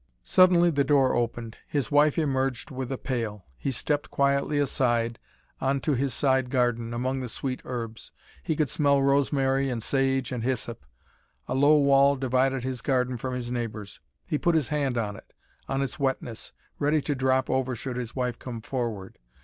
Suddenly the door opened. His wife emerged with a pail. He stepped quietly aside, on to his side garden, among the sweet herbs. He could smell rosemary and sage and hyssop. A low wall divided his garden from his neighbour's. He put his hand on it, on its wetness, ready to drop over should his wife come forward.